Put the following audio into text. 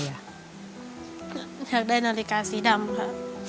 อยากได้นาฬิกาสีดำค่ะ